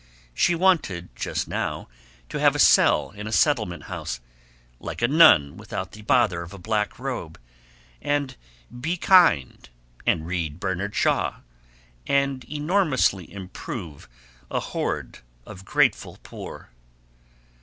She wanted, just now, to have a cell in a settlement house, like a nun without the bother of a black robe, and be kind, and read Bernard Shaw, and enormously improve a horde of grateful poor.